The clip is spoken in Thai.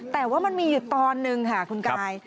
แต่ว่ามันมีตอนหนึ่งค่ะคุณกาย